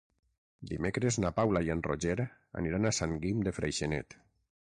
Dimecres na Paula i en Roger aniran a Sant Guim de Freixenet.